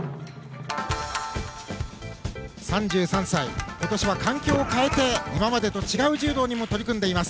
３３歳、今年は環境を変えて今までと違う柔道にも取り組んでいます。